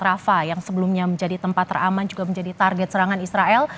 rafa yang sebelumnya menjadi tempat teraman juga menjadi target serangan israel